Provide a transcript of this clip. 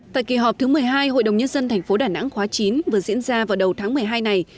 tại kỳ họp thứ một mươi hai hội đồng nhân dân tp đà nẵng khóa chín vừa diễn ra vào đầu tháng một mươi hai này